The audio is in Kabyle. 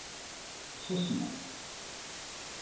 Susmen.